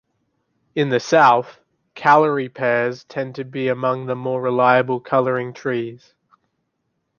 In the South, Callery pears tend to be among the more reliable colouring trees.